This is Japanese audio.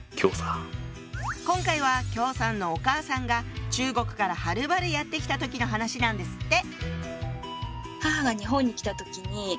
今回は姜さんのお母さんが中国からはるばるやって来た時の話なんですって。